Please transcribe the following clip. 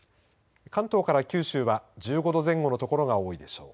関東から九州は１５度前後の所が多いでしょう。